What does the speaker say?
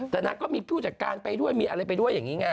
แต่นางก็มีผู้จัดการไปด้วยมีอะไรไปด้วยอย่างนี้ไง